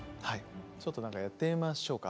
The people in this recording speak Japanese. ちょっと何かやってみましょうか。